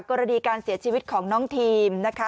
กรณีการเสียชีวิตของน้องทีมนะคะ